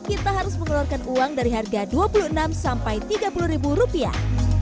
kita harus mengeluarkan uang dari harga dua puluh enam sampai tiga puluh ribu rupiah